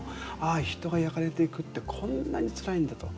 ああ人が焼かれていくってこんなにつらいんだと。